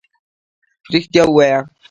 رښتيا ووايه.